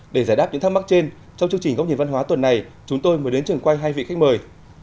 để giải đáp những thắc mắc trên trong chương trình góc nhìn văn hóa tuần này chúng tôi mới đến trường quay hai vị khách mời